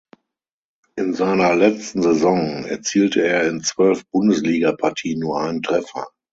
In seiner letzten Saison erzielte er in zwölf Bundesligapartien nur einen Treffer.